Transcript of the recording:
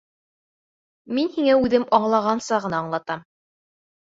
Мин һиңә үҙем аңлағанса ғына аңлатам.